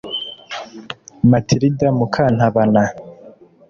Mathilda Mukantabana